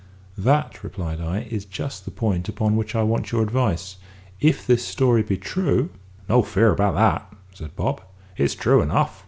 "That," replied I, "is just the point upon which I want your advice. If this story be true " "No fear about that," said Bob. "It's true enough.